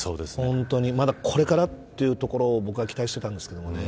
まだこれからというところを僕は期待していたんですけどね。